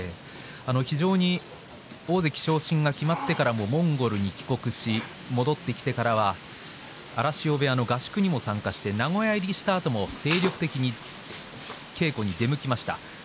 非常に大関昇進が決まってからもモンゴルに帰国して戻ってきてからも荒汐部屋の合宿にも参加して名古屋入りしたあとも精力的に稽古に出向きました。